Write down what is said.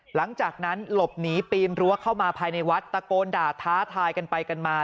หลังจากนั้นหลบหนีปีนรั้วเข้ามาภายในวัดตะโกนด่าท้าทายกันไปกันมา